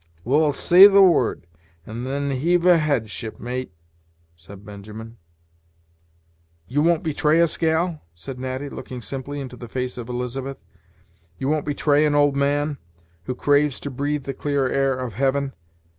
"Well, say the word, and then heave ahead, shipmate," said Benjamin. "You won't betray us, gal?" said Natty, looking simply into the face of Elizabeth "you won't betray an old man, who craves to breathe the clear air of heaven?